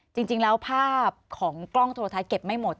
จริงแล้วภาพของกล้องโทรทัศน์เก็บไม่หมด